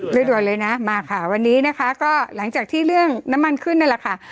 ด่วนเลยนะมาค่ะวันนี้นะคะก็หลังจากที่เรื่องน้ำมันขึ้นนั่นแหละค่ะ